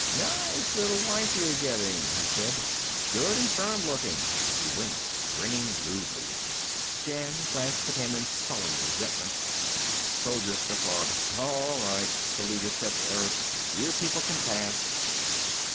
"Nice little wife you're getting," he said. "Good and firm looking." He winked, grinning lewdly. Jan glanced at him in sullen resentment. The soldiers guffawed. "All right," the leader said to Erick. "You people can pass."